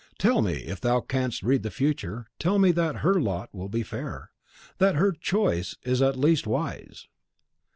"Tell me if thou canst read the future tell me that HER lot will be fair, and that HER choice at least is wise?"